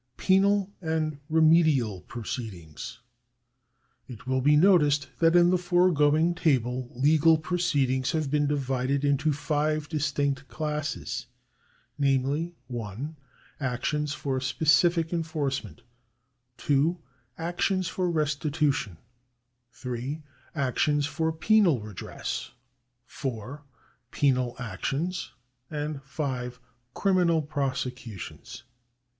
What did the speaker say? Penal and Remedial Proceedings. It will be noticed that in the foregoing Table legal proceed ings have been divided into five distinct classes, namely : (1) actions for specific enforcement, (2) actions for restitu tion, (3) actions for penal redress, (4) penal actions, and (5) criminal prosecutions.